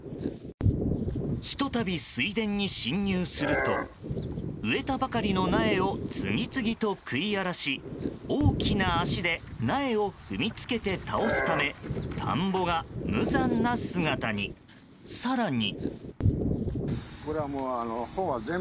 ひと度、水田に侵入すると植えたばかりの苗を次々と食い荒らし大きな足で苗を踏みつけて倒すため田んぼが無残な姿に、更に。